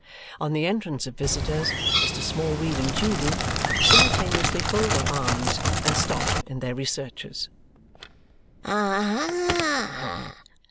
On the entrance of visitors, Mr. Smallweed and Judy simultaneously fold their arms and stop in their researches. "Aha!"